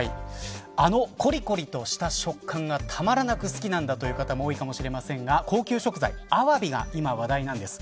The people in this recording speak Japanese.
あの、こりこりとした食感がたまらなく好きなんだという方も多いかもしれませんが高級食材アワビが今、話題なんです。